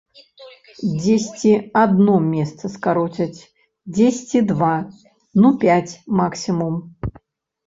Дзесьці адно месца скароцяць, дзесьці два, ну пяць максімум.